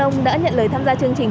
ông đã nhận lời tham gia chương trình